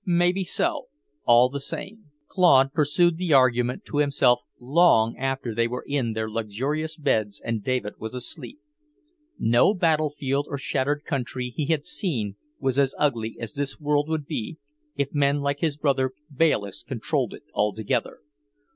"Maybe so; all the same..." Claude pursued the argument to himself long after they were in their luxurious beds and David was asleep. No battlefield or shattered country he had seen was as ugly as this world would be if men like his brother Bayliss controlled it altogether.